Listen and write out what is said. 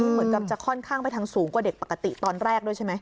เหมือนกับจะค่อนข้างไปทางสูงกว่าเด็กปกติตอนแรกด้วยใช่ไหม